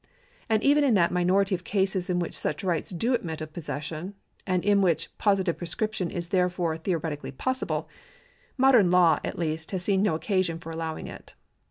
And even in that minority of cases in which such rights do admit of posses sion, and in which positive prescription is therefore theo retically possible, modern law, at least, has seen no occasion for allowing it.